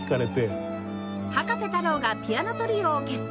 葉加瀬太郎がピアノトリオを結成